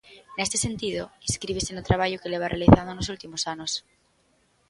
Neste sentido, inscríbese no traballo que levas realizando nos últimos anos.